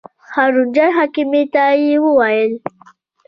هارون جان حکیمي ته یې وویل.